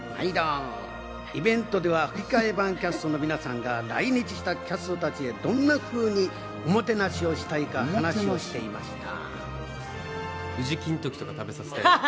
イベントでは吹き替え版キャストの皆さんが来日したキャストたちをどんなふうにおもてなししたいか話していました。